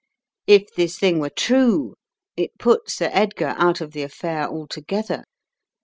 If this thing were true, it put Sir Edgar out of the affair altogether.